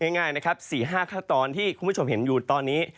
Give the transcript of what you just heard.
ง่ายนะครับ๔๕ขั้นตอนที่คุณผู้ชมเห็นอยู่ตอนนี้